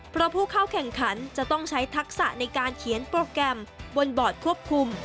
เพราะผู้เข้าแข่งขันจะต้องใช้ทักษะในการเขียนโปรแกรมบนบอร์ดควบคุม